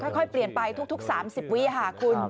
ค่อยเปลี่ยนไปทุก๓๐วิค่ะคุณ